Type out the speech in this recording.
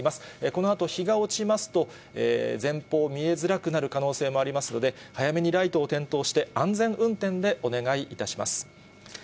このあと、日が落ちますと、前方、見えづらくなる可能性もありますので、早めにライトを点灯して、安全運転でお願いいたします。